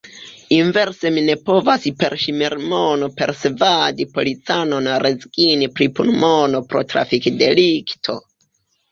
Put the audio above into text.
Inverse mi ne povas per ŝmirmono persvadi policanon rezigni pri punmono pro trafikdelikto.